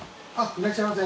いらっしゃいませ。